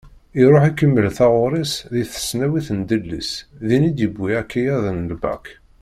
Iruḥ ikemmel taɣuri-s di tesnawit n Delles, din i d-yewwi akayad n lbak.